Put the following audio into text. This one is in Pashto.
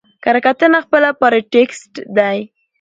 کره کتنه خپله پاراټيکسټ دئ.